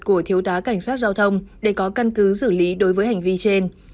của thiếu tá cảnh sát giao thông để có căn cứ xử lý đối với hành vi trên